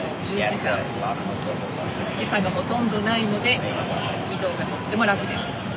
時差がほとんどないので移動がとっても楽です。